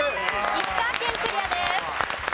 石川県クリアです。